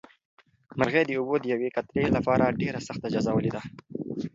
مرغۍ د اوبو د یوې قطرې لپاره ډېره سخته جزا ولیده.